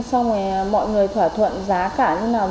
xong rồi mọi người thỏa thuận giá cả như thế nào